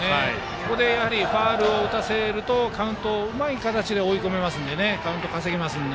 ここでファウルを打たせるとカウントをうまい形で追い込めますからカウント稼げますので。